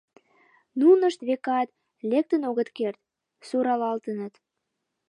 Нунышт, векат, лектын огыт керт: суралалтыныт.